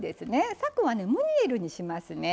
さくはねムニエルにしますね。